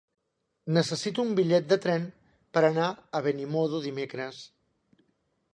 Necessito un bitllet de tren per anar a Benimodo dimecres.